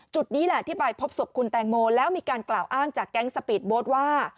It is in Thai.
นี้แหละที่ไปพบศพคุณแตงโมแล้วมีการกล่าวอ้างจากแก๊งสปีดโบ๊ทว่า